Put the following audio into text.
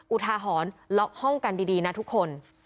อุทาหรณ์ล็อกห้องกันดีนะทุกคน